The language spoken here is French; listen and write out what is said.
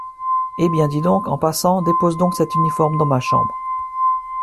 Eh ! bien, dis donc, en passant, dépose donc cet uniforme dans ma chambre…